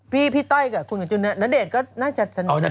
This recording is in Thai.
พี่ต้อยกับคุณกระจุณเดชน์ก็น่าจะสนุกนะ